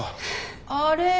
あれ？